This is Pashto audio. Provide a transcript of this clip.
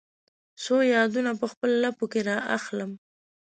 څو یادونه په خپل لپو کې را اخلم